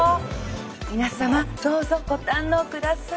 皆様どうぞご堪能下さい。